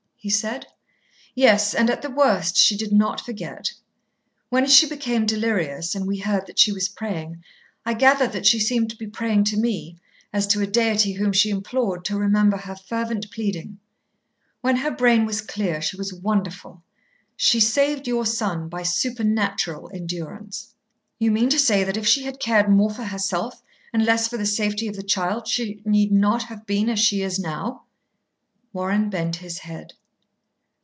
he said. "Yes. And at the worst she did not forget. When she became delirious, and we heard that she was praying, I gathered that she seemed to be praying to me, as to a deity whom she implored to remember her fervent pleading. When her brain was clear she was wonderful. She saved your son by supernatural endurance." "You mean to say that if she had cared more for herself and less for the safety of the child she need not have been as she is now?" Warren bent his head.